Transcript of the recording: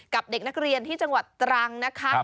กับเด็กนักเรียนที่จังหวัดตรังนะคะ